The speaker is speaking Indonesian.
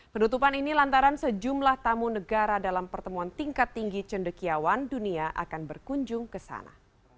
penutupan ini lantaran sejumlah tamu negara dalam pertemuan tingkat tinggi cendekiawan dunia akan berkunjung ke sana